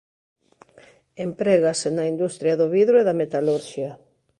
Emprégase na industria do vidro e da metalurxia.